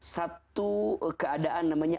satu keadaan namanya